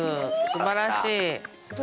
すばらしい！